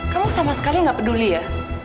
kamu sama sekali nggak peduli ya